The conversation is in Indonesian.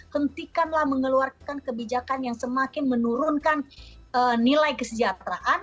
hentikanlah mengeluarkan kebijakan yang semakin menurunkan nilai kesejahteraan